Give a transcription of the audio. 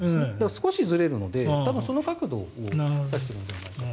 少しずれるので多分、その角度を指しているのではないかと。